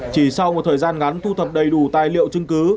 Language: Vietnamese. chỉ sau một thời gian ngắn thu thập đầy đủ tài liệu chứng cứ